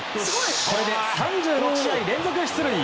これで３６試合連続出塁。